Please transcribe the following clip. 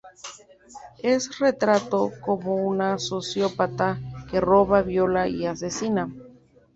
Es retratado como un sociópata que roba, viola y asesina.